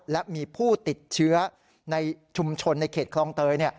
และมีผู้ติดเชื้อในชุมชนในเขตคลองเตย